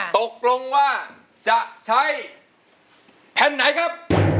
ตกลงว่าจะใช้แผ่นไหนครับ